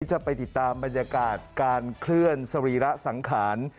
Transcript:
จะไปติดตามบรรยากาศการเคลื่อนสรีระสังขาร